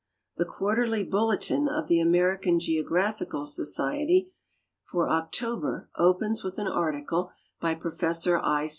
The quarterly Bulletin of the American Geographical Society for October opens with an article by Prof. I.